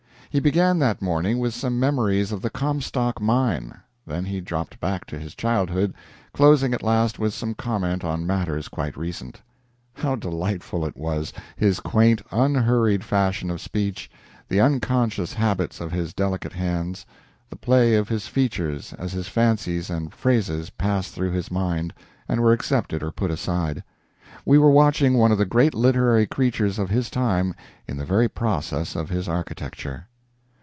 He began that morning with some memories of the Comstock mine; then he dropped back to his childhood, closing at last with some comment on matters quite recent. How delightful it was his quaint, unhurried fashion of speech, the unconscious habits of his delicate hands, the play of his features as his fancies and phrases passed through his mind and were accepted or put aside. We were watching one of the great literary creators of his time in the very process of his architecture.